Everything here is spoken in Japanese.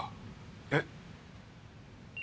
えっ？